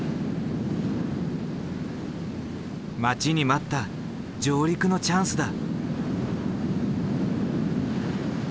待ちに待った上陸のチャンスだ。